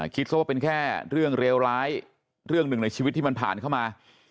คิดซะว่าเป็นแค่เรื่องเลวร้ายเรื่องหนึ่งในชีวิตที่มันผ่านเข้ามา